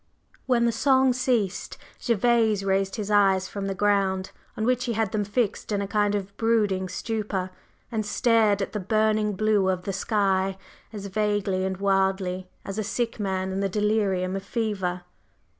When the song ceased, Gervase raised his eyes from the ground on which he had fixed them in a kind of brooding stupor, and stared at the burning blue of the sky as vaguely and wildly as a sick man in the delirium of fever.